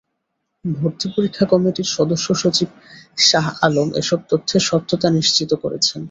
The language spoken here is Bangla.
ভর্তি পরীক্ষা কমিটির সদস্যসচিব শাহ আলম এসব তথ্যের সত্যতা নিশ্চিত করেছেন।